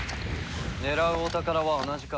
狙うお宝は同じか。